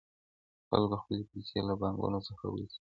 خلګو خپلي پيسې له بانکونو څخه ويستلې وې.